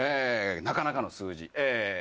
なかなかの数字。